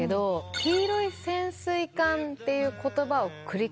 「黄色い潜水艦」って言葉を繰り返してる。